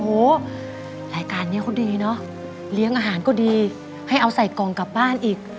โอ้โหรายการนี้เขาดีเนอะเลี้ยงอาหารก็ดีให้เอาใส่กล่องกลับบ้านอีก